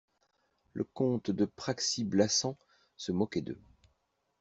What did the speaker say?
Le comte de Praxi-Blassans se moquait d'eux.